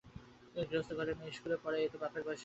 গৃহস্থ ঘরের মেয়ে ইস্কুলে পড়ায় এ তো বাপের বয়সে শুনি নি।